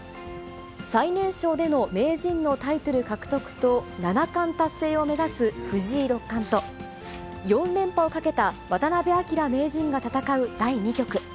最年少での名人のタイトル獲得と七冠達成を目指す藤井六冠と、４連覇をかけた渡辺明名人が戦う第２局。